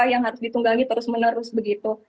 yang harus ditunggangi terus menerus begitu